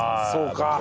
そうか。